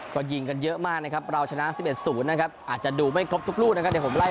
ก็ยิงเยอะมากครับครับก็ชนะ๑๑๐อาจจะดูไม่ครบทุกรูดนะครับ